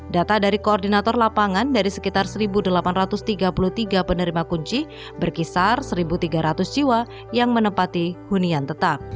data dari koordinator lapangan dari sekitar satu delapan ratus tiga puluh tiga penerima kunci berkisar satu tiga ratus jiwa yang menempati hunian tetap